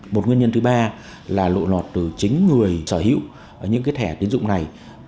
một nguyên nhân thứ ba là lộ lọt từ chính người sở hữu những thẻ tiến dụng này